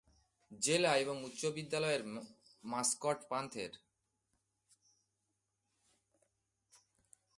জেলা এবং উচ্চ বিদ্যালয়ের মাস্কট "পান্থের"।